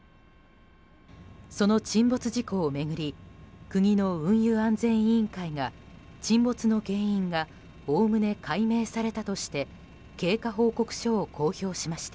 その沈没事故を巡り国の運輸安全委員会が沈没の原因がおおむね解明されたとして経過報告書を公表しました。